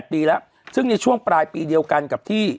ปีแล้วซึ่งในช่วงปลายปีเดียวกันกับที่